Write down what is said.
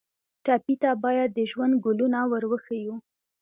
ټپي ته باید د ژوند ګلونه ور وښیو.